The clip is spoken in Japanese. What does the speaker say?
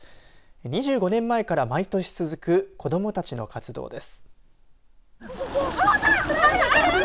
２５年前から毎年続く子どもたちの活動です。